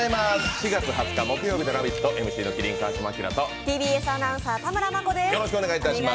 ４月２０日木曜日の「ラヴィット！」、ＭＣの麒麟・川島明とＴＢＳアナウンサー・田村真子です。